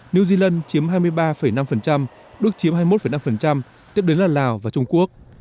new zealand chiếm hai mươi ba năm đức chiếm hai mươi một năm tiếp đến là lào và trung quốc